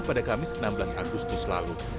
pada kamis enam belas agustus lalu